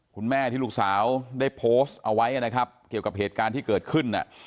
คุณแม่ที่ลูกสาวได้โพสต์เอาไว้นะครับเกี่ยวกับเหตุการณ์ที่เกิดขึ้น